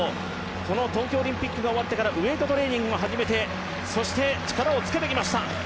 この東京オリンピックが終わってからウエイトトレーニングも初めてそして力をつけてきました。